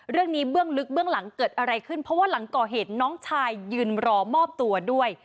เบื้องลึกเบื้องหลังเกิดอะไรขึ้นเพราะว่าหลังก่อเหตุน้องชายยืนรอมอบตัวด้วย